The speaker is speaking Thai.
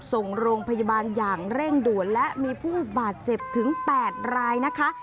ส่งโรงพยาบาลอย่างเร่งด่วนและมีผู้บาดเจ็บถึง๘รายนะคะ